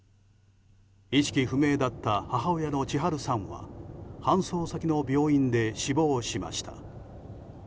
意識不明だった母親の千春さんは搬送先の病院で死亡しました。